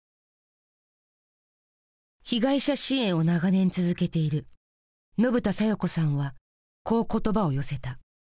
被害者支援を長年続けている信田さよ子さんはこう言葉を寄せた。